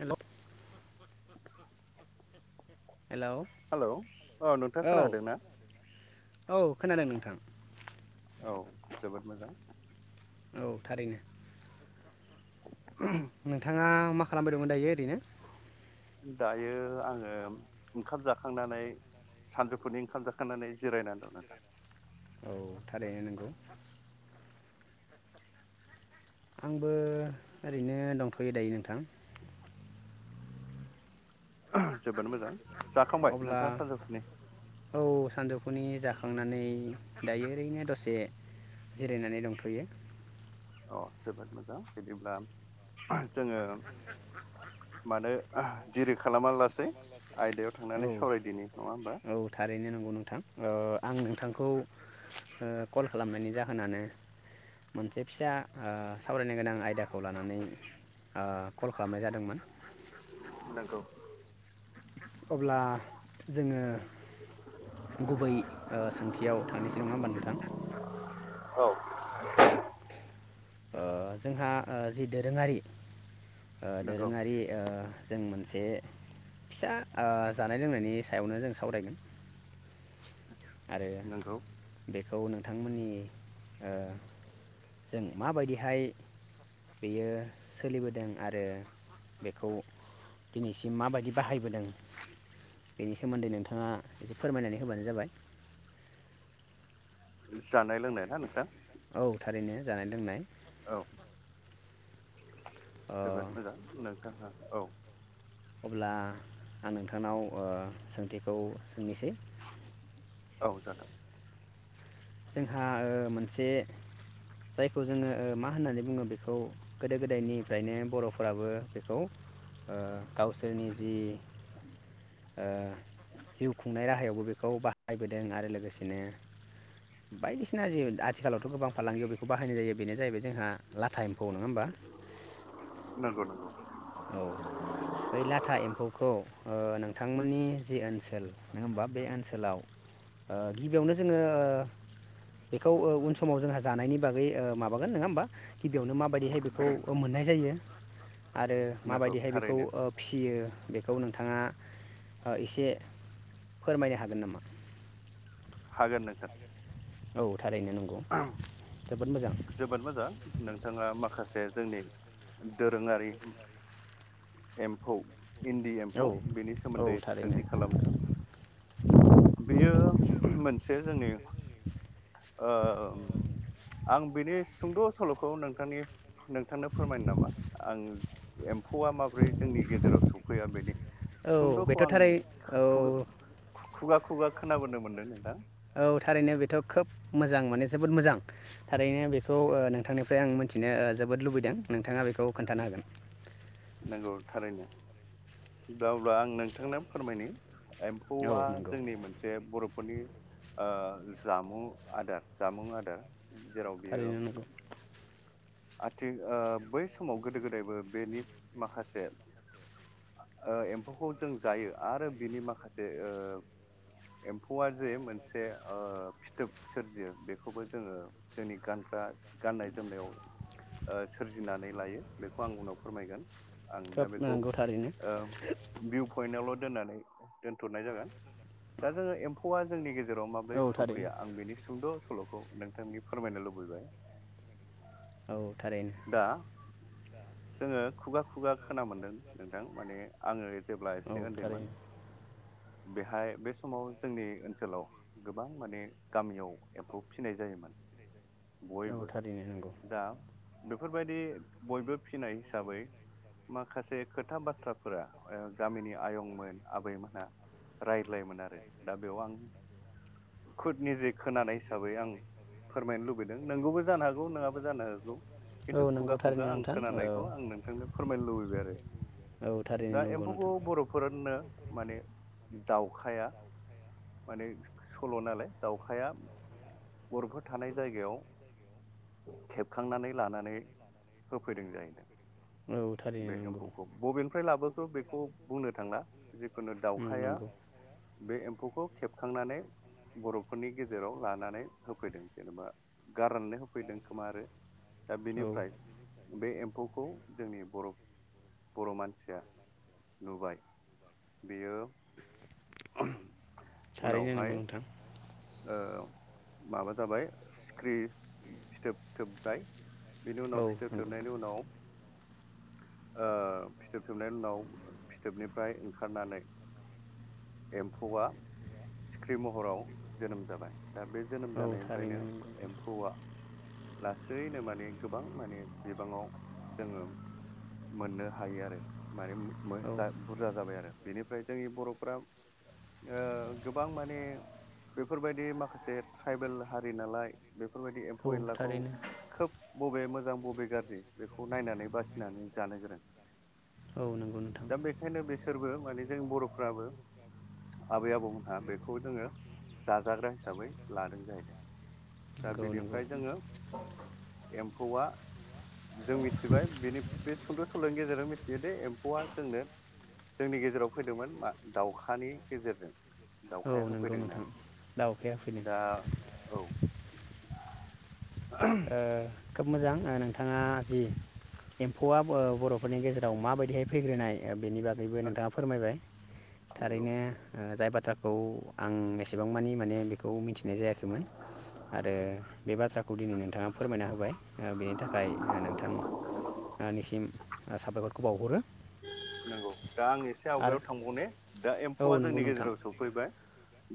हेल' hello hello नोंथाङा औ खोनादों ना औ खोनादों नोंथां। औ जोबोद मोजां। औ थारैनो। [inaudible] नोंथाङा मा खालामबाय दङो दायो ओरैनो? दायो आङो ओंखाम जाखांनानै सानजौफुनि ओंखाम जाखांनानै जिरायनानै दं नोंथां। औ थारैनो नंगौ। आंबो ओरैनो दंथ'यो दायो नोंथां। जोबोद मोजां जाखांबाय अब्ला नोंथाङा सानजौफुनि औ सानजौफुनि जाखांनानै दायो ओरैनो दसे से जिरायनानै दंथ'यो। अ जोबोद मोजां बिदिब्ला जोङो मानो दिरि खालामा लासे औ औ थारैनो नंगौ नोंथां ओ आं नोंथांखौ ओ कल खालामनायनि जाहोनानो मोनसे फिसा ओ सावरायनो गोनां आयदाखौ लानानै ओ कल खालामनाय जादोंमोन। नोंगौ। अब्ला जोङो गुबै ओ सोंथियाव थांनोसै नङा होमबा नोंथां औ ओ जोंहा जि दोरोङारि ओ नंगौ दोरोङारि ओ जों मोनसे फिसा ओ जानाय लोंनायनि सायावनो जों सावरायगोन। आरो नंगौ बे खौ नोंथांमोननि ओ जों माबायदिहाय बेयो सोलिबोदों आरो बेखौ दिनैसिम माबायदि बाहायबोदों बेनि सोमोनदै नोंथाङा एसे फोरमायनानै होबानो जाबाय। जानाय लोंनाय ना नोंथां? औ थारैनो जानाय लोंनाय औ ओ जोबोद मोजां नोंथाङा औ अब्ला आं नोंथांनाव ओ सों थिखौ सोंनोसै। औ जागोन जोंहा ओ मोनसे जायखौ जोङो ओ मा होननानै बुङो बेखौ गोदो गोदायनिफ्रायनो बर'फोराबो बेखौ ओ गावसोरनि जि ओ जिउ खुंनाय राहायावबो बेखौ बाहायबोदों आरो लोगोसेनो बायदिसिना जि आथिखालावथ' गोबां फालांगियाव बेखौ बाहायनाय जायो बेनो जाहैबाय जोंहा लाथा एम्फौ नङा हबा नंगौ नंगौ औ बै लाथा एमफौखौ ओ नोंथांमोननि जि ओनसोल नङा होमबा बे ओनसोलाव ओ गिबियावनो जोङो ओ बेखौ ओ उन समाव जोंहा जानायनि बागै ओ माबागोन नङा होमबा? गिबियावनो माबायदिहाय बेखौ मोननाय जायो। आरो नंगौ माबायदिहाय बेखौ थारैनो ओ फियो। बेखौ नोंथाङा ओ एसे फोरमायनो हागोन नामा? हागोन नोंथां। [unintelligible] औ थारैनो नंगौ जोबोद मोजां जोबोद मोजां नोंथाङा माखास से जोंनि दोरोङारि एम्फौ इन्दि औ एम्फौ बेनि औ सोमोन्दै थारैनो सोंथि खालामदों बेयो मोनसे जोंनि ओ ओ ओ आं बेनि सुंद' सल'खौ नोंथांनि नोंथांनो फोरमायनो नामा आं एम्फौआ माबोरै जोंनि गेजेराव सफैया बेनि औ सुंद'खौ बेथ' आं थारै औ खु-खुगा खुगा खोनाबोनो मोनदों नोंथां। औ थारैनो बेथ' खोब मोजां मानो जोबोद मोजां। थारैनो बेखौ ओ नोंथांनिफ्राय आं मिथिनो ओ जोबोद लुबैदों। नोंथाङा बेख नंगौ थारैनो। दा अब्ला आं नोंथांनो फोरमायनि औ एम्फौआ नंगौ जोंनि मोनसे बर' ख'नि ओ जामु आदार जामुं आदार। जेराव बेयो थारैनो नंगौ आथिं ओ बै समाव गोदो गोदायबो बेनि माखासे ओ एम्फौखौ जों जायो। आरो बिनि माखासे ओ एम्फौआ जे मोनसे ओ फिथोब सोरजियो बेखौबो जोङो जोंनि गानग्रा गाननाय जोमनायाव ओ सोरजिनानै लायो बेखौ आं उनाव फोरमायगोन। आं खोब दा बेखौ नंगौ थारैनो ओ भिउ पइन्टावल दोननानै दोनथ'नाय जागोन दा जोङो एम्फौआ जोंनि गेज जेराव माबोरै औ थारैनो सफैया आं बेनि सुंद' सल'खौ नोंथांनि फोरमायनो लुबैबाय। औ थारैनो दा जोङो खुगा खुगा खोना मोन्दों नोंथां माने आङो जेब्ला औ एसे ओन्दैमोन थारैनो बेहाय बे समाव जोंनि ओनसोलाव गोबां माने गामियाव एम्फौ फिनाय जायोमोन। औ बयबो थारैनो नंगौ। दा बेफोरबायदि बयबो फिनाय हिसाबै माखासे खोथा बाथ्राफोरा ओ गामिनि आयंमोन आबैमोनहा राय लायोमोन आरो दा बेयाव आं खुद निरदिग खोनानाय हिसाबै आं फोरमायनो लुबैदों नोंगौबो जानो हागौ नङाबो जानो हागौ। औ खिन्थु नंगौ खुगा खुगा थारैनो आं नोंथां खोनानायखौ औ आं नोंथांनो फोरमायनो लुबैबाय आरो। औ थारैनो दा नंगौ एम्फौखौ नोंथां बर'फोरनो माने दाउखाया माने सल' नालाय दाउखाया बर'फोर थानाय जायगायाव खेबखांनानै लानानै होफैदों जाहैदों। औ बे थारैनो नंगौ एम्फौखौ बबेनिफ्राय लाबोखो बेखौ बुंनो थांला जिखुनु औ दाउखाया नंगौ बे एम फौखौ खेबखांनानै बर'फोरनि गेजेराव लानानै होफैदों जेनबा गारनानै होफैदों खोमा आरो दा औ बेनिफ्राय बे एम्फौखौ जोंनि बर' बर' मानसिया नुबाय बेयो थारैनो नंगौ उनावहाय नोंथां ओ माबा जाबाय सिख्रि फिथोबथोबाय बिनि उनाव औ फिथोब नंगौ थोबनायनि उनाव ओ फिथोब थोबनायनि उनाव फिथोबनिफ्राय ओंखारनानै एम्फौआ सिख्रि महराव जोनोम जाबाय। दा बे जोनोम औ जानायनिफ्रायनो थारैनो नंगौ एम्फौआ लासैनो माने गोबां माने बिबाङाव जोङो मोननो हायो आरो माने औ मो-मोजा बुरजा जाबाय आरो। बेनिफ्राय जोंनि बर' ओ गोबां माने बेफोरबायदि माखासे ट्राइबेल हारि नालाय बेफोरबायदि एम्फौ औ एनलाखौ थारैनो खोब बबे मोजां बबे गाज्रि बेखौ खौ नायनानै बासिनानै जानो गोरों। औ नंगौ नोंथां दा बेखायनो बिसोरबो माने जों बर'फ्राबो आबै आबौमोनहा बेखौ जोङो जाजाग्रा हिसाबै लादों जाहैदों। दा नंगौ बेनिफ्राय नंगौ जोङो एम्फौआ जों मिथिबाय बेनि बे सुुंद' सल'नि गेजेरजों मिथियो दे एम्फौआ जोंनो जोंनि गेजेराव फैदोंमोन मा दाउखानि गेजेरजों। औ दाउखाया नंगौ होफैदों नोंथां। होननानै दा अखाया फैदों दा औ ओ खोब मोजां नोंथाङा जि एम्फौआ बर'फोरनि गेजेराव माबायदिहाय फैग्रोनाय बेनि बागैबो नोंथाङा फोरमायबाय नंगौ थारैनो जाय बाथ्रा खौ आं एसेबां मानि माने बेखौ मिथिनाय जायाखैमोन आरो बे बाथ्राखौ नोंथाङा फोरमायना होबाय बेनि थाखाय नोंथां निसिम साबायखरखौ बावहरो। नंगौ दा आं एसे आरो आवगायाव थांबाव दा औ एम्फौआ नंगौ जोंनि नोंथां गेजेराव सफैबाय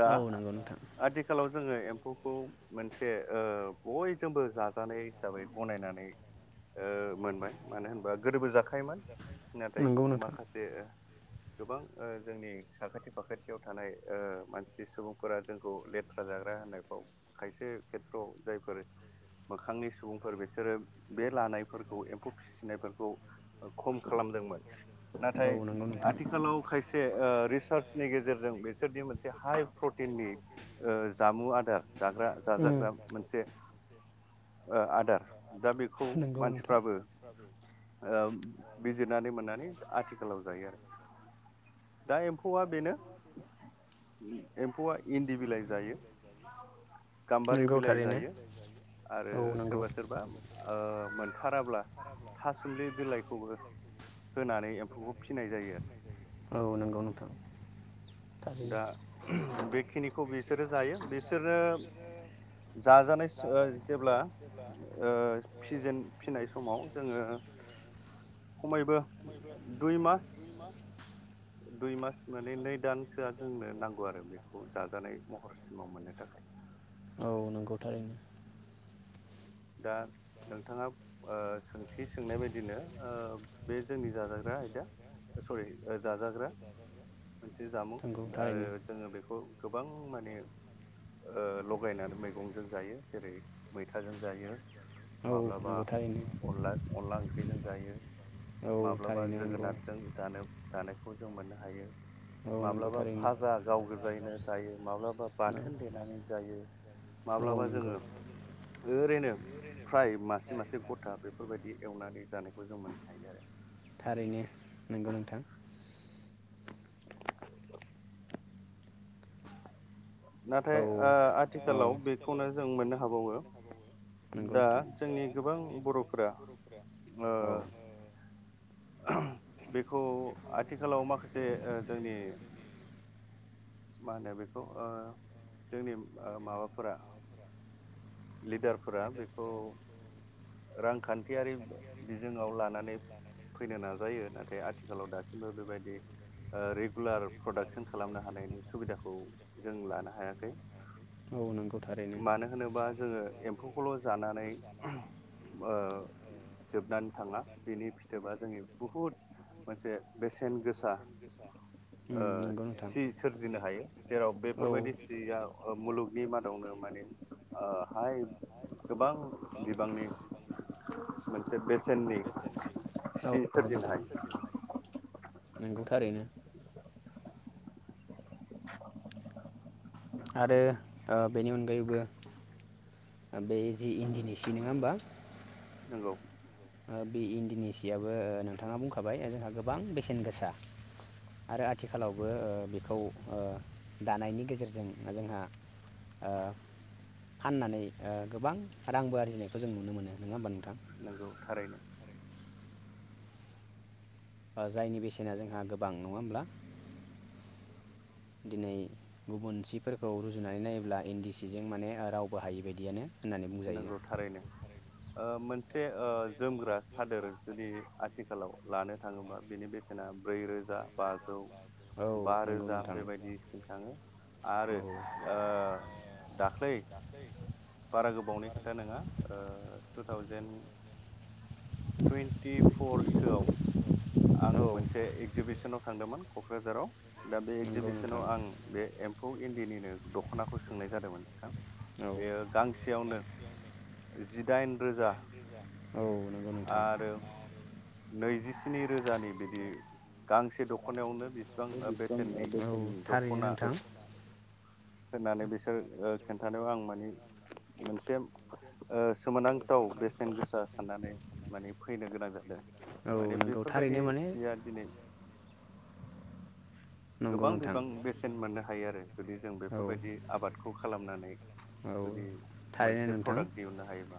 दा औ नंगौ नोंथां आथिखालाव जोङो एम्फौखौ मोनसे ओ बयजोंबो जाजानाय हिसाबै गनायनानै ओ मोनबाय मानो होनबा गोदोबो जाखायोमोन। नाथाय नंगौ नोंथां माखासे गोबां ओ जोंनि साखाथि फाखाथियाव थानाय ओ मानसि सुबुंफोरा जोंखौ लेथ्रा जाग्रा होननायफ्राव खायसे खेथ्रआव जायफोर मोखांनि सुबुंफोर बिसोरो बे लानायफोरखौ एम्फौ फिसिनायफोरखौ खम खालामदोंमोन औ नाथाय नंगौ नोंथां आथिखालाव खायसे रिसार्चनि गेजेरजों बिसोरनि मोनसे हाइ प्रटिननि ओ जामु आदार जाग्रा उम जाजाग्रा मोनसे ओ आदार दा बेखौ नंगौ नोंथां मानसिफ्राबो ओम बिजिरनानै मोननानै आथिखालाव जायो आरो दा एम्फौआ बेनो एम्फौआ इन्दि बिलाइ जायो गामबारि नंगौ बिलाइ थारैनो जायो आरो औ नंगौ सोरबा सोरबा ओ मोनथाराब्ला थासुमलि बिलाइखौबो होनानै एम्फौखौ फिसिनाय जायो आरो औ नंगौ नोंथां दा थारैनो ओम बेखिनिखौ बिसोरो जायो बे बिसोरो जाजानाय ओ जेब्ला ओ फिजेन फिनाय समाव जोङो खमैबो दुइ मास दुइ मास माने नै दान सोआ जोंनो नांगौ आरो बेखौ जाजानाय महर सिमाव मोननो थाखाय औ नोंगौ थारैनो दा नोंथाङा ओ सोंथि सोंनाय बायदिनो ओ बे जोंनि जाजाग्रा आयदा सरि जाजाग्रा मोनसे जामुं नंगौ आरो थारैनो जोङो बेखौ गोबां माने ओ लगायनानै मैगंजों जायो जेरै मैथाजों जायो औ माब्लाबा नंगौ थारैनो अनला अनला ओंख्रि बेजों जायो। औ माब्लाबा थारैनो नंगौ जोगोनारजों जानो जानाय बेखौ जों मोननो हायो औ नंगौ माब्लाबा थारैनो फाजा गाव गोजायैनो जायो माब्लाबा औ बाथोन देनानै जायो औ माब्लाबा नंगौ जोङो ओरैनो फ्राय मासे मासे गथा बेफोरबायदि एवनानै जान खौ जों मोननो हायो आरो थारैनो नोंगौ नोंथां नाथाय औ ओ औ आथिखालाव बेखौनो जों मोननो हाबावो नंगौ दा नोंथां जोंनि गोबां बर'फोरा ओ औ ओ बेखौ आथिखालाव माखासे जोंनि मा होनो बेखौ ओ जोंनि माबाफोरा लिडार फोरा बेखौ रांखान्थियारि बिजोङाव लानानै फैनो नाजायो नाथाय आथिखालाव दासिमबो बेबायदि ओ रेगुलार प्रडाक्सन खालामनो हानायनि सुबिदाखौ जों लानो हायाखै औ नोंगौ थारैनो मानो होनोबा [unintelligible] जोङो एम्फौखौल' जानानै ओ जोबनानै थाङा बेनि फिथोबा जोंनि बुहुद मोनसे बेसेन गोसा उम ओ नंगौ नोंथां सि सोरजिनो हायो। जेराव औ बेफोरबायदि सिया ओ मुलुगनि मादावनो माने ओ [unintelligible] गोबां बिबांनि मोनसे बेसे औ नंगौ नोंथां हायो नंगौ थारैनो [inaudible] आरो ओ बेनि अनगायैबो बे जि इन्दिनि सि नङा होमबा। नंगौ ओ बे इन्दिनि सियाबबो ओ नोंथाङा बुंखाबाय जोंहा गोबां बेसेन गोसा आरो आथिखालावबो ओ बेखौ ओ दानायनि गेजेरजों जोंहा ओ फाननानै ओ गोबां रांबो आरजिनायखौ जों नुनो मोनो नङा होनबा नंगौ थारैनो। ओ जायनि बेसेना जोंहा गोबां नङा होमब्ला दिनै गुबुन सिफोरखौ रुजुनानै नायोब्ला इन्दि सिजों माने रावबो हायि बायदियानो। होननानै बुंजायो नंगौ थारैनो ओ मोनसे मोनसे ओ जोमग्रा सादोर जुदि आथिखालाव लानो थाङोबा बेनि बेसेना ब्रैरोजा बाजौ औ बा नंगौ रोजा नोंथां बेबायदिसिम थाङो औ आरो ओ दाख्लै बारा गोब खोथा नङा टु थावजेेन टुइन्टिफरसोआव आं औ मोनसे एगजिबिसन आव थांदोंमोन कक्राझाराव। दा बे नंगौ नोंथां एगजिबिसनाव आं बे एम बेखौ इन्दिनिनो दखनाखौ सोंनाय जादोंमोन नोंथां। औ बेयो गांसे जिदाइन रोजा औ नंगौ नोंथां आरो नै [unintelligible] स्नि रोजानि बोदि गांसे दखनायावनो बेसेबां औ बेसेननि थारैनो दखना। नोंथां होननानै बिसोर ओ खिन्थानायाव आं माने मोनसे ओ सोमोनांथाव बेसेन गोसा साननानै माने फैनो गोनां जादों औ माने नंगौ बेफोरबायदि थारैनो माने सिया दिनै नंगौ गोबां नोंथां बिबां बेसेन मोननो हायो आरो जुदि जों औ बेफोर बायदि आबादखौ खालामनानै औ जुदि थारैनो मोनसे नोंथां प्रडाक्ट दिहुननो हायोबा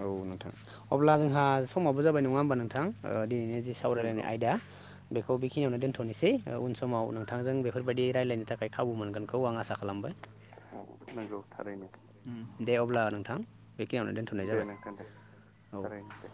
औ नोंथां अब्ला जोंहा समाबो जाबाय नङा होमबा नोंथां ओ दिनैनि जि सावरायलायनाय नंगौ आयदा। बेखौ बेखिनियावनो दोनथनोसै उन समाव नोंथांजों बेफोरबायदि रायलायनो थाखाय खाबु मोनगोनखौ आं आसा खालाम नंगौ थारैनो। उम दे अब्ला नोंथां बेखिनियावनो दोनथनाय दे जाबाय नोंथां दे औ। थारैनो दे